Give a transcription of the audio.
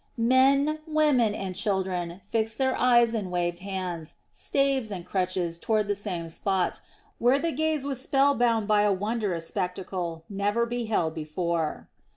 Men, women, and children fixed their eyes and waved hands, staves, and crutches toward the same spot, where the gaze was spell bound by a wondrous spectacle never beheld before.